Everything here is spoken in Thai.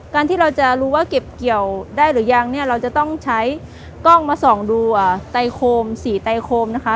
ที่เราจะรู้ว่าเก็บเกี่ยวได้หรือยังเนี่ยเราจะต้องใช้กล้องมาส่องดูอ่ะไตโคมสีไตโคมนะคะ